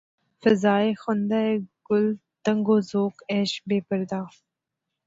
فضائے خندۂ گل تنگ و ذوق عیش بے پردا